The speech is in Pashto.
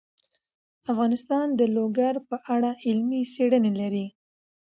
افغانستان د لوگر په اړه علمي څېړنې لري.